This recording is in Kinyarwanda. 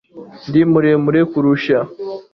ndi muremure kukurusha